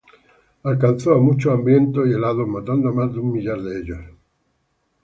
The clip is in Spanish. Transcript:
Alcanzó a muchos, hambrientos y helados, matando a más de un millar de ellos.